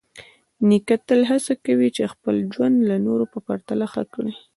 نیکه تل هڅه کوي چې خپل ژوند د نورو په پرتله ښه کړي.